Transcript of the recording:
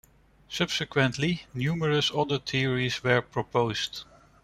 Subsequently, numerous other theories were proposed.